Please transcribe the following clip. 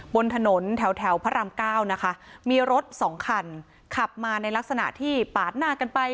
บนถนนแถวพระรามเก้านะคะมีรถสองคันขับมาในลักษณะที่ปาดหน้ากันไป